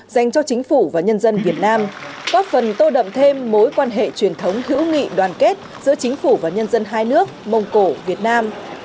dành cho chính phủ và nhân dân việt nam góp phần tô đậm thêm mối quan hệ truyền thống hữu nghị đoàn kết giữa chính phủ và nhân dân hai nước mông cổ việt nam